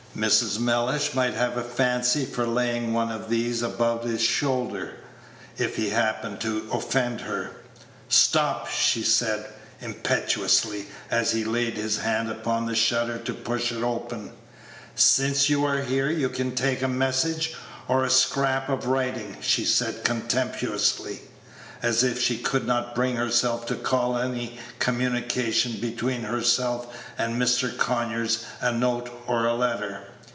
Mrs. Mellish might have a fancy for laying one of these about his shoulders if he happened to offend her. "Stop!" she said, impetuously, as he laid his hand upon the shutter to push it open; "since you are here, you can take a message, or a scrap of writing," she said, contemptuously, as if she could not bring herself to call any communication between herself and Mr. Conyers a note or letter.